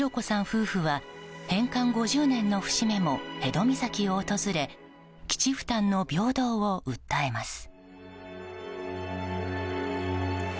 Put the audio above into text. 夫婦は返還５０年の節目も辺戸岬を訪れ基地負担の平等を訴えます。